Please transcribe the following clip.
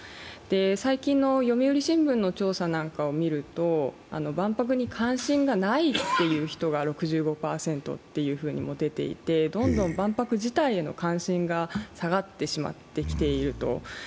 最近の「読売新聞」の調査などを見ると、万博に関心がないっていう人が６５％と出ていてどんどん万博自体への関心が下がってきてしまっていると。